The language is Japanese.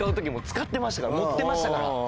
持ってましたから。